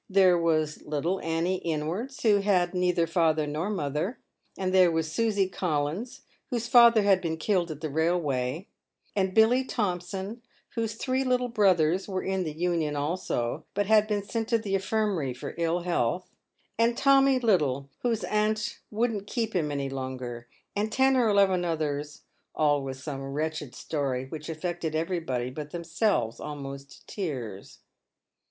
There was little Annie Inwards, who had neither father nor mother — and there was Susey Collins, whose father had been killed at the railway — and Billy Thompson, whose three little brothers were in the Union also, but had been sent to the infirmary for ill health — and Tommy Liddle, whose aunt wouldn't keep him any longer — and ten or eleven others, all with some wretched story, which affected everybody but themselves almost to tears.